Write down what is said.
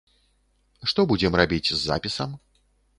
Што будзем рабіць з запісам?